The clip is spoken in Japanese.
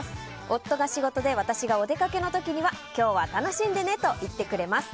夫が仕事で私がお出かけの時には今日は楽しんでねと言ってくれます。